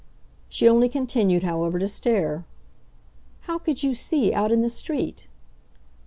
She only continued, however, to stare. "How could you see out in the street?"